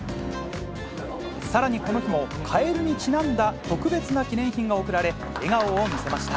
さらにこの日も、カエルにちなんだ特別な記念品が贈られ、笑顔を見せました。